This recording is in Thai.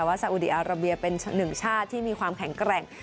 ซาอุดีอาราเบียเป็นหนึ่งชาติที่มีความแข็งแกร่ง